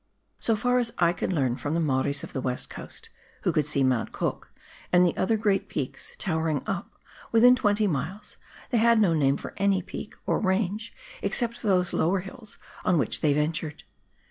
So far as I could learn from the Maoris of the West Coast, who could see Mount Cook and the other great peaks towering up within twenty miles, they had no name for any peak or range except those lower hills on which they ventured.